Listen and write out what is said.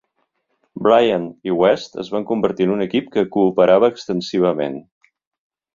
Bryant i West es van convertir en un equip que cooperava extensivament.